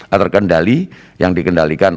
aturkendali yang dikendalikan